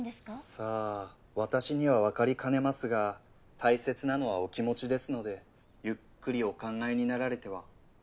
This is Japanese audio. さあ私には分かりかねますが大切なのはお気持ちですのでゆっくりお考えになられては。